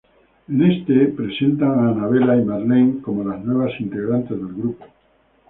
En este presentan a Anabella y Marlene como las nuevas integrantes del grupo.